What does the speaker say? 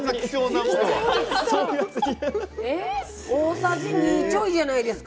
大さじ２ちょいじゃないですか。